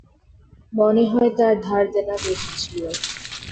মনে হয় তার ধার-দেনা বেশী ছিল।